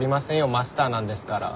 マスターなんですから。